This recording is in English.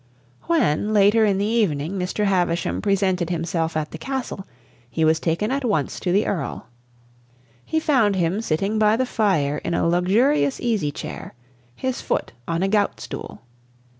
When, later in the evening, Mr. Havisham presented himself at the Castle, he was taken at once to the Earl. He found him sitting by the fire in a luxurious easy chair, his foot on a gout stool.